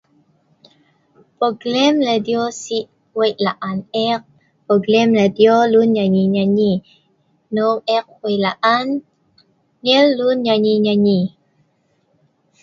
program radio sik weik la'an ek program radio lun nyanyi nyanyi hnung ek weik la'an nyel lun nyanyi nyanyi